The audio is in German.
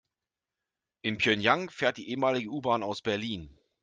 In Pjöngjang fährt die ehemalige U-Bahn aus Berlin.